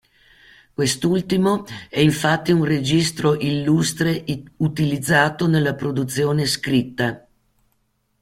Quest'ultimo è infatti un registro illustre utilizzato nella produzione scritta.